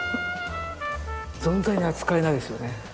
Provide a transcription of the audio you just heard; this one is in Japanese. ぞんざいに扱えないですよね。